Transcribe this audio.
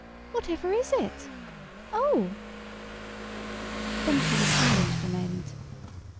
whatever is it? Oh!" Then she was silent for a moment.